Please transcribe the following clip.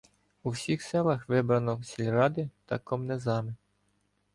У всіх селах вибрано сільради та комнезами.